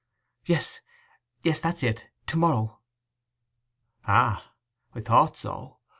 'Yes, yes! That's it. To morrow!' 'Ah! I thought so.